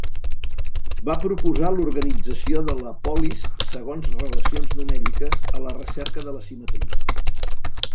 Va proposar l'organització de la polis segons relacions numèriques, a la recerca de la simetria.